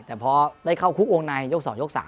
แต่พอได้เข้าคุกวงในยก๒ยก๓